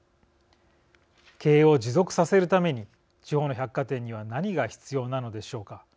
経営を持続させるために地方の百貨店には何が必要なのでしょうか。